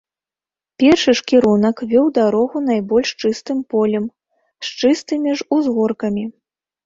Першы ж кірунак вёў дарогу найбольш чыстым полем, з чыстымі ж узгоркамі.